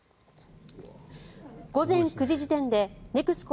午前９時時点でネクスコ